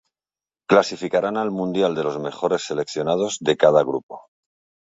Clasificarán al mundial los mejores seleccionados de cada grupo.